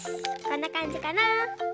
こんなかんじかな。